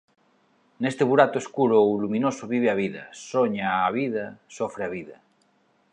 Neste burato escuro ou luminoso vive a vida, soña a vida, sofre a vida.